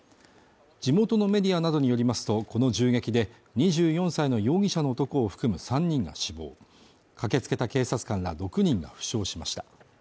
地元のメディアなどによりますと、この銃撃で２４歳の容疑者の男を含む３人が死亡、駆けつけた警察官ら６人が負傷しました。